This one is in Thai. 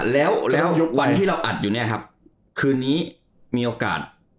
แล้ววันที่เราอัดอยู่เนี่ยครับคืนนี้มีโอกาส